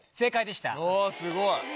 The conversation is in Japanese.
おすごい。